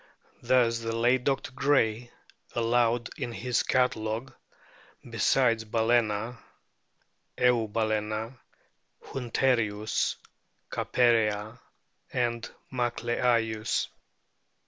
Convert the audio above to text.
Thus the late Dr. Gray allowed in his Catalogue besides Baltxna Eubal&na, Hunterius, Caperea, and Macleayius.